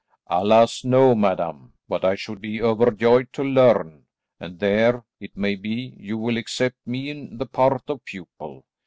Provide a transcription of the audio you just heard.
"Alas! no madam. But I should be overjoyed to learn and there, it may be, you will accept me in the part of pupil.